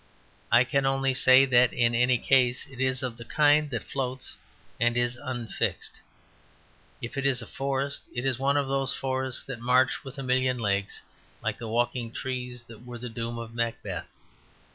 I can only say that in any case it is of the kind that floats and is unfixed. If it is a forest, it is one of those forests that march with a million legs, like the walking trees that were the doom of Macbeth.